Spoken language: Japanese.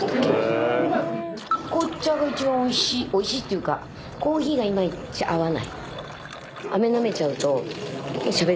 紅茶が一番おいしいおいしいっていうかコーヒーがいまいち合わない。